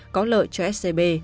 có lợi cho scb